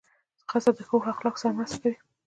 ځغاسته د ښو اخلاقو سره مرسته کوي